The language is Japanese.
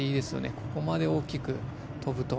ここまで大きく跳ぶと。